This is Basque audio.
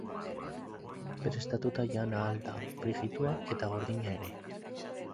Prestatuta jan ahal da, frijitua eta gordina ere.